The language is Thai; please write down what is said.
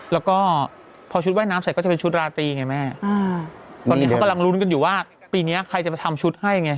แล้วก็พอชุดว่ายน้ำเสร็จก็จะเป็นชุดราตรีไงแม่ตอนนี้เขากำลังลุ้นกันอยู่ว่าปีนี้ใครจะมาทำชุดให้ไง